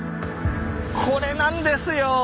これなんですよ！